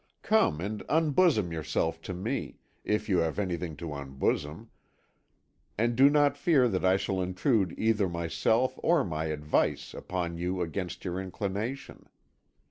Come and unbosom yourself to me, if you have anything to unbosom, and do not fear that I shall intrude either myself or my advice upon you against your inclination.